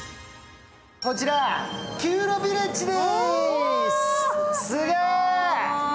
こちらピューロビレッジです、すげぇ。